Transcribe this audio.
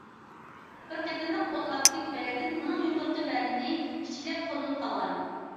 بىر قېتىملىق ئوت ئاپىتى تۈپەيلىدىن ئۇنىڭ يۇقىرىقى بەدىنى كىچىكلەپ قورۇلۇپ قالغان.